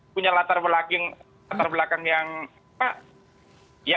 punya latar belakang yang apa